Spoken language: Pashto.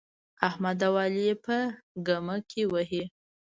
احمد او علي يې په ګمه کې وهي.